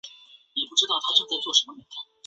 累积分数最高的选手将得到金牌。